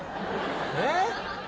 えっ？